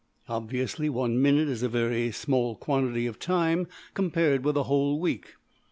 Obviously $1$~minute is a very small quantity of time compared with a whole week.